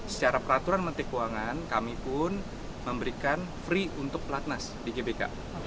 secara peraturan menteri keuangan kami pun memberikan free untuk pelatnas di gbk